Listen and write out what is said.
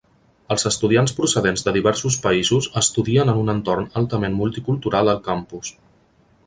Els estudiants procedents de diversos països estudien en un entorn altament multicultural al campus.